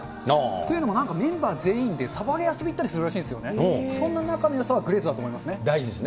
というのも、なんかメンバー全員で鯖江に遊びに行ったりするんですね、そんな仲のよさはグレートだと思いますね。